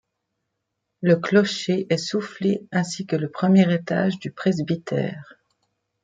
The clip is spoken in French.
Le clocher est soufflé ainsi que le premier étage du presbytère.